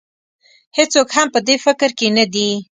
هېڅوک هم په دې فکر کې نه دی.